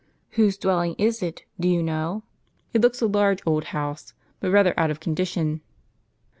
" Whose dwelling is it, do you know ? It looks a large old house, but rather out of condition."